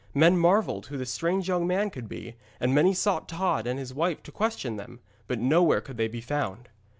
Men marvelled who the strange young man could be, and many sought Tod and his wife to question them, but nowhere could they be found.